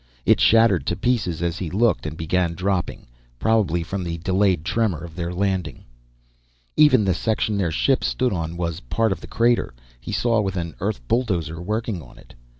It shattered to pieces as he looked and began dropping, probably from the delayed tremor of their landing. Even the section their ship stood on was part of the crater, he saw, with an Earth bulldozer working on it.